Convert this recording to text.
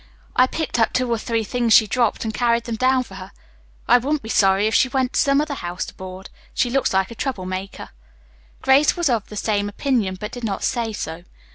I picked up two or three things she dropped and carried them down for her. I wouldn't be sorry if she went to some other house to board. She looks like a trouble maker." Grace was of the same opinion, but did not say so.